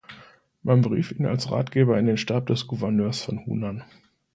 Man berief ihn als Ratgeber in den Stab des Gouverneurs von Hunan.